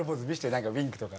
何かウインクとか。